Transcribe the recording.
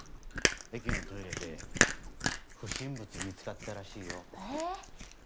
駅のトイレで不審物見つかったらしいよ。